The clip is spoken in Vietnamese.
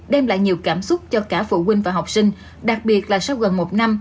đem lại nhiều cảm xúc cho cả phụ huynh và học sinh đặc biệt là sau gần một năm